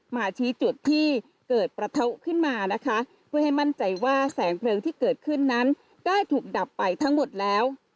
มาชี้จุดที่เกิดประทุขึ้นมานะคะเพื่อให้มั่นใจว่าแสงเพลิงที่เกิดขึ้นนั้นได้ถูกดับไปทั้งหมดแล้ว